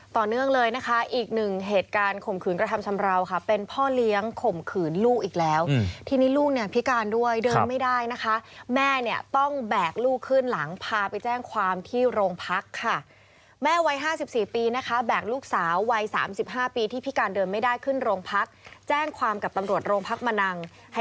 ต่อเนื่องเลยนะคะอีกหนึ่งเหตุการณ์ข่มขืนกระทำชำราวค่ะเป็นพ่อเลี้ยงข่มขืนลูกอีกแล้วทีนี้ลูกเนี่ยพิการด้วยเดินไม่ได้นะคะแม่เนี่ยต้องแบกลูกขึ้นหลังพาไปแจ้งความที่โรงพักค่ะแม่วัย๕๔ปีนะคะแบกลูกสาววัย๓๕ปีที่พิการเดินไม่ได้ขึ้นโรงพักแจ้งความกับตำรวจโรงพักมะนัง